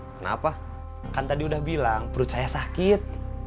kenapa kan tadi udah bilang perut saya sakit